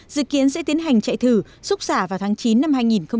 dự kiến sẽ tiến hành chạy thử xúc xả vào tháng chín năm hai nghìn một mươi tám